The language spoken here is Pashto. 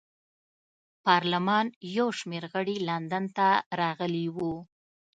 پارلمان یو شمېر غړي لندن ته راغلي وو.